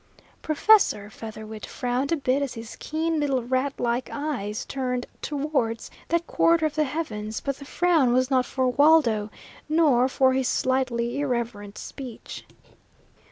Professor Featherwit frowned a bit as his keen little rat like eyes turned towards that quarter of the heavens; but the frown was not for Waldo, nor for his slightly irreverent speech.